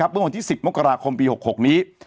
เมื่อวันที่๑๐มกราคมปี๖๖นี้